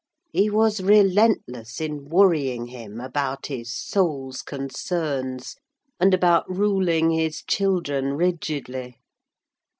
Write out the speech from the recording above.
He was relentless in worrying him about his soul's concerns, and about ruling his children rigidly.